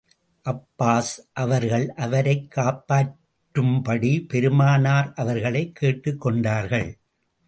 Abbas அவர்கள், அவரைக் காப்பாற்றும்படிப் பெருமானார் அவர்களைக் கேட்டுக் கொண்டார்கள்.